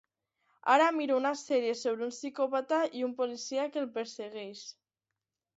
Ara miro una sèrie sobre un psicòpata i un policia que el persegueix.